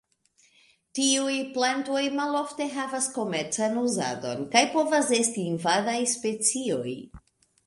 Tiuj plantoj malofte havas komercan uzadon, kaj povas esti invadaj specioj.